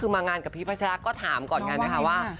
มางานกับพี่ผัชระก็ถามค่อนข้างว่า